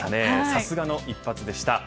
さすがの一発でした。